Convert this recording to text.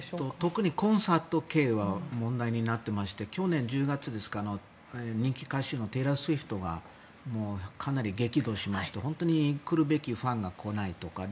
特にコンサート系は問題になってまして去年１０月ですか、人気歌手のテイラー・スウィフトがかなり激怒しまして本当に来るべきファンが来ないとか。